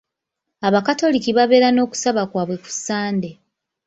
Abakatoliki babeera n'okusaba kwaabwe ku Sande.